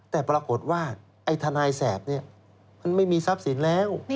แต่ปรากฏว่าไอ้ทนายแสบเนี่ยมันไม่มีทรัพย์สินแล้ว